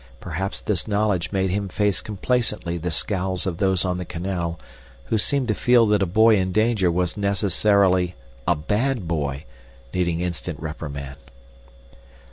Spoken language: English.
Perhaps this knowledge made him face complacently the scowls of those on the canal who seemed to feel that a boy in danger was necessarily a BAD boy needing instant reprimand.